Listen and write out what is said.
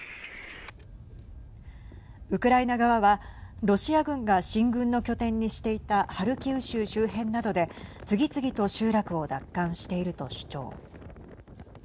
ウクライナ側はロシア軍が進軍の拠点にしていたハルキウ州周辺などで次々と集落を奪還していると主張。